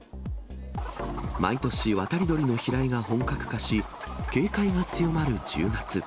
毎年、渡り鳥の飛来が本格化し、警戒が強まる１０月。